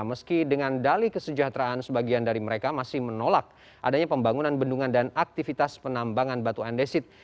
meski dengan dali kesejahteraan sebagian dari mereka masih menolak adanya pembangunan bendungan dan aktivitas penambangan batu andesit